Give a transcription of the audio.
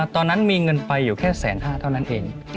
ตอนนั้นมีเงินไปอยู่แค่๑๕๐๐เท่านั้นเอง